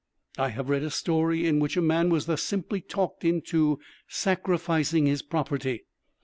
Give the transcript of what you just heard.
I have read a story in which a man was thus simply talked into sacrificing his property.